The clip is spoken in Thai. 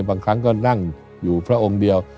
บางครั้งก็นั่งอยู่พระองค์เดียว